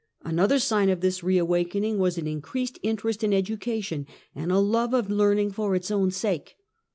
Another sign of this reawakening was an increased interest in education, and a love of learning for its own sake.